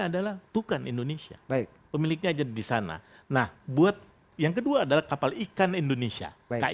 adalah bukan indonesia baik pemiliknya jadi di sana nah buat yang kedua adalah kapal ikan indonesia ki